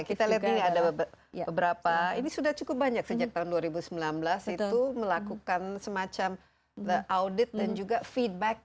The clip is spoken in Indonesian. kita lihat ini ada beberapa ini sudah cukup banyak sejak tahun dua ribu sembilan belas itu melakukan semacam audit dan juga feedback